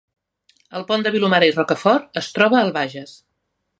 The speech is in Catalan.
El Pont de Vilomara i Rocafort es troba al Bages